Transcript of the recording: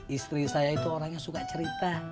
istri saya itu orang yang suka cerita